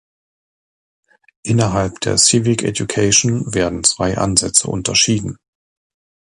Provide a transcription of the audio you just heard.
Innerhalb der "Civic Education" werden zwei Ansätze unterschieden.